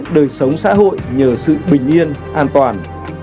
đời sống xã hội nhờ sự bình yên an toàn